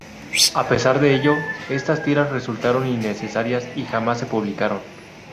A pesar de ello, estas tiras resultaron innecesarias y jamás se publicaron.